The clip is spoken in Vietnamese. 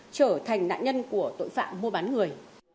trở thành nạn nhân của tội phạm mua bán người